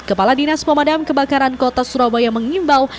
kepala dinas pemadam kebakaran kota surabaya mengimbau